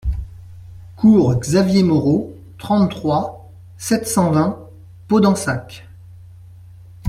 Cours Xavier Moreau, trente-trois, sept cent vingt Podensac